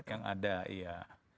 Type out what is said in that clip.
yang ada ya